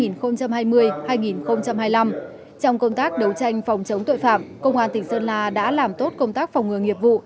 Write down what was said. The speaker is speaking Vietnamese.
trong công tác đấu tranh phòng chống tội phạm công an tỉnh sơn la đã làm tốt công tác phòng ngừa nghiệp vụ